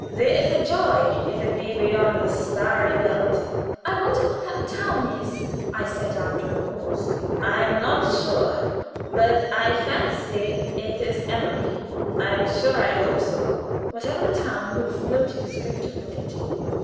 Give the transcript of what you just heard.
There is a joy, if it be 'beyond the starry belt.'" "I wonder what that town is?" I said, after a pause. "I am not sure, but I fancy it is Emmerich. I am sure I hope so." Whatever the town, we were floating straight toward it.